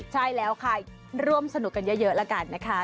ใช่แล้วใครร่วมสนุกกันเยอะแล้วกันนะคะ